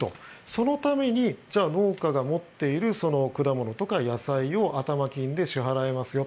そのためにじゃあ、農家が持っている果物とか野菜を頭金で支払えますよ。